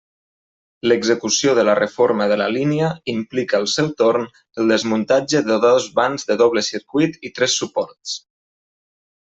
L'execució de la reforma de la línia implica al seu torn el desmuntatge de dos vans de doble circuit i tres suports.